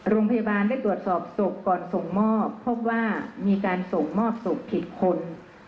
โรงพยาบาลได้ตรวจสอบศพก่อนส่งมอบพบว่ามีการส่งมอบศพกี่คน